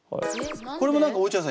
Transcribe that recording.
これも何か落合さん